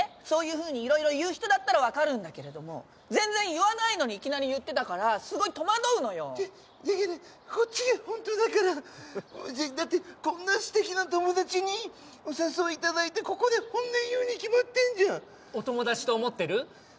そういうふうに色々言う人だったら分かるんだけれども全然言わないのにいきなり言ってたからすごい戸惑うのよだだからこっちがホントだからだってこんな素敵な友達にお誘いいただいてここで本音言うに決まってんじゃんお友達と思ってる？